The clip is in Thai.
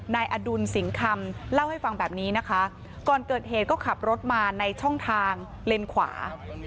นายอดุลสิงคำเล่าให้ฟังแบบนี้นะคะก่อนเกิดเหตุก็ขับรถมาในช่องทางเลนขวา